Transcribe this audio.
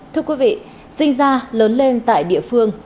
thưa quý vị sinh ra lớn lên tại địa phương